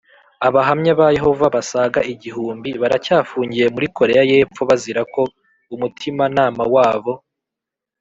Abahamya ba Yehova basaga igihumbi baracyafungiye muri Koreya y’Epfo bazira ko umutimanama wabo.